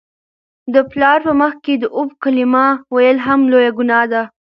د پلار په مخ کي د "اف" کلمه ویل هم لویه ګناه ده.